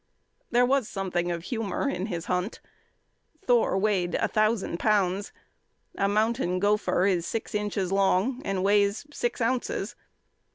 There was something of humour in his hunt. Thor weighed a thousand pounds; a mountain gopher is six inches long and weighs six ounces.